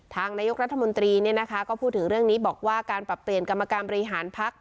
ทางนายกรัฐมนตรีก็พูดถึงเรื่องนี้บอกว่าการปรับเปลี่ยนกรรมการบริหารพัก